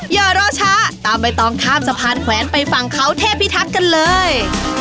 เย่อรสช้าตามไม่ต้องข้ามสะพานแขวนไฟสั่งเขาเทพิทักกันเลย